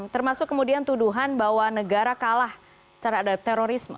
termasuk kemudian tuduhan bahwa negara kalah terhadap terorisme